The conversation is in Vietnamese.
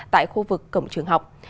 tại khu vực cổng trường học